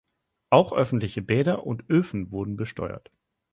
Auch öffentliche Bäder und Öfen wurden besteuert.